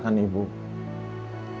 ibu mengurus kamu